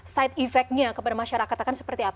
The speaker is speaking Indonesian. side effect nya kepada masyarakat akan seperti apa